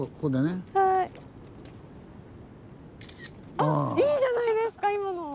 あっいいじゃないですか今の！